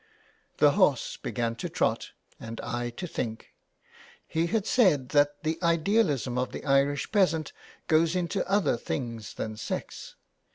'' The horse began to trot, and I to think. He had said that the idealism of the Irish peasant goes into other things than sex.